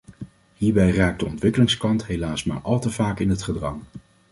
Hierbij raakt de ontwikkelingskant helaas maar al te vaak in het gedrang.